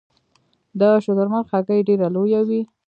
د شترمرغ هګۍ ډیره لویه وي